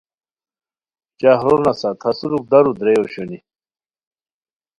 چاخرو نسہ تھاسوروک دارو درے اوشونی